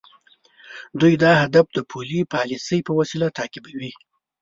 دوی دا هدف د پولي پالیسۍ په وسیله تعقیبوي.